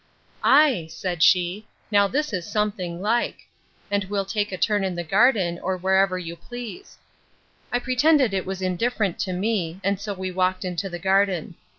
Ay, said she, now this is something like: and we'll take a turn in the garden, or where you please. I pretended it was indifferent to me; and so we walked into the garden.